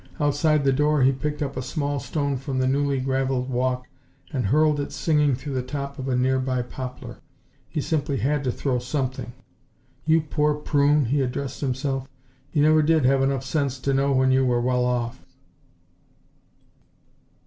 Outside the door he picked up a small stone from the newly graveled walk and hurled it singing through the top of a nearby poplar. He simply had to throw something. "You poor prune!" he addressed himself. "You never did have enough sense to know when you were well off."